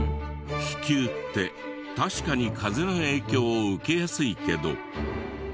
気球って確かに風の影響を受けやすいけど。